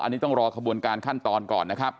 อันนี้ต้องรอขบวนการขั้นตอนก่อนนะครับ